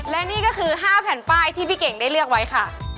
และนี่ก็คือ๕แผ่นป้ายที่พี่เก่งได้เลือกไว้ค่ะ